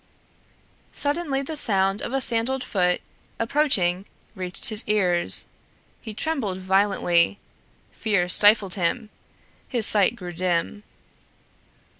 Suddenly the sound of a sandaled foot approaching reached his ears. He trembled violently, fear stifled him, his sight grew dim.